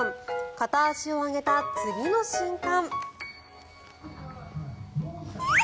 片足を上げた次の瞬間。